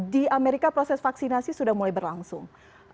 di amerika proses vaksinasi sudah mulai berlangsung